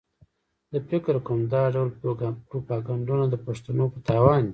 زه فکر کوم دا ډول پروپاګنډونه د پښتنو په تاوان دي.